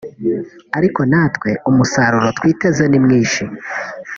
ariko natwe umusaruro twiteze ni mwinshi